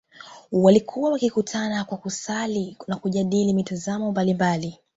Walikuwa wakikutana kwa kusali na kujadili mitazamo mbalimbali